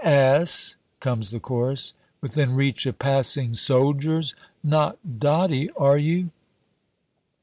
"Ass!" comes the chorus. "Within reach of passing soldiers! Not dotty, are you?"